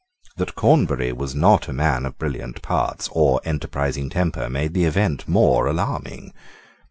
That Cornbury was not a man of brilliant parts or enterprising temper made the event more alarming.